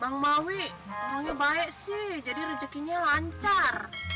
bang bawi ngomongnya baik sih jadi rezekinya lancar